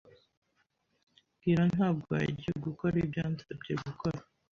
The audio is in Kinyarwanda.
Bwira ntabwo ngiye gukora ibyo yansabye gukora.